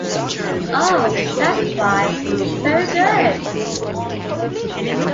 oh, that’s right, very good